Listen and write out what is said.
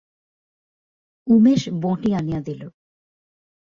উমেশ বঁটি আনিয়া দিল।